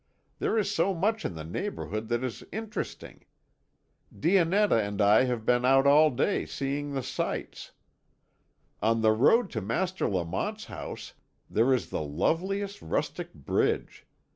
There is so much in the neighbourhood that is interesting. Dionetta and I have been out all day seeing the sights. On the road to Master Lamont's house there is the loveliest rustic bridge.